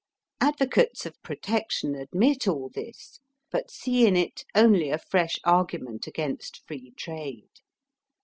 Advocates of Protection admit all this, but see in it only a fresh argument against Free Trade.